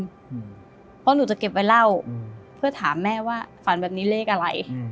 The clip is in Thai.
เพราะหนูจะเก็บไว้เล่าเพื่อถามแม่ว่าฝันแบบนี้เลขอะไร